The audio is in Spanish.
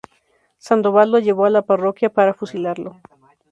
Sandoval lo llevó a la parroquia para fusilarlo.